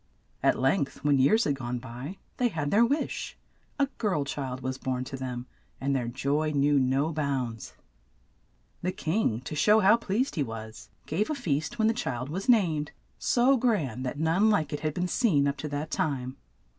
At length, when years had gone by, they had their wish — a girl child was born to them, and their joy knew no bounds. The king to show how pleased he was, gave a feast when the child was named, so grand that none like it had been seen up to that time.